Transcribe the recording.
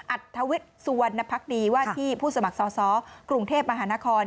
อัดทวิสวณภักดีว่าที่ผู้สมัครซ้อกรุงเทพมหานคร